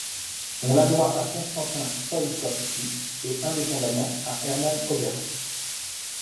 On la doit à Constantin Tsiolkovski et, indépendamment, à Hermann Oberth.